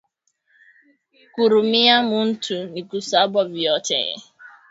Ku rumia muntu ni kusabwa byote